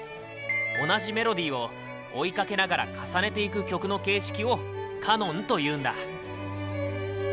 同じメロディーを追いかけながら重ねていく曲の形式を「カノン」と言うんだ。